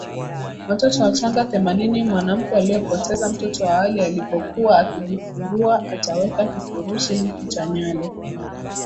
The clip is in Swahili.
watoto wachanga Themanini Mwanamke aliyepoteza mtoto awali alipokuwa akijifungua ataweka kifurushi hiki cha nywele